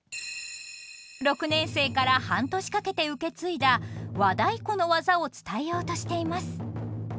６年生から半年かけて受け継いだ和太鼓の技を伝えようとしています。